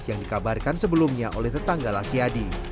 yang dikabarkan sebelumnya oleh tetangga lasiadi